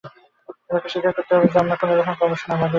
আপনাকে স্বীকার করতে হবে যে আমরা কোনো রকম গবেষণায় বাধা দেই না।